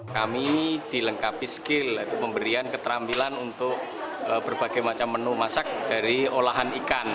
kami dilengkapi skill yaitu pemberian keterampilan untuk berbagai macam menu masak dari olahan ikan